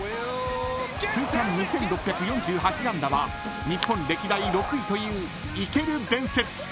［通算２，６４８安打は日本歴代６位という生ける伝説］